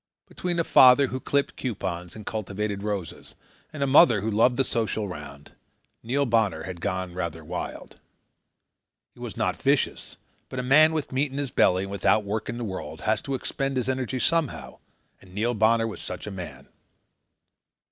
Between a father who clipped coupons and cultivated roses, and a mother who loved the social round, Neil Bonner had gone rather wild. He was not vicious, but a man with meat in his belly and without work in the world has to expend his energy somehow, and Neil Bonner was such a man.